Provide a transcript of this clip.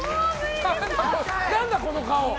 何だこの顔。